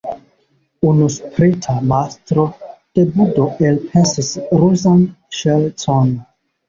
Unu sprita mastro de budo elpensis ruzan ŝercon.